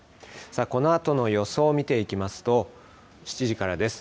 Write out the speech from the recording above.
このあとの予想を見ていきますと、７時からです。